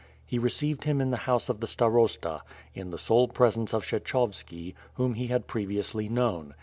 He received him in the house of the starosta, in the sole presence of Kshechovski, whom he had previously known.